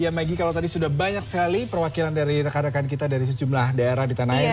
ya maggie kalau tadi sudah banyak sekali perwakilan dari rekan rekan kita dari sejumlah daerah di tanah air